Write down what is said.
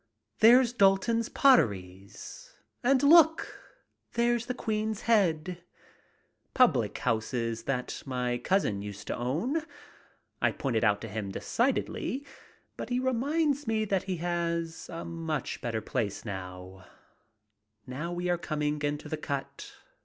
There's Dalton's Potteries! And look, there's the Queen's Head! Public house that my cousin used to own. I point it out to him decidedly, but he reminds me that he has a much better place now. Now we are coming into the cut.